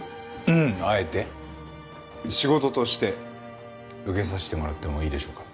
あえて仕事として受けさせてもらってもいいでしょうか？